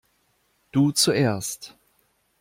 Du zuerst.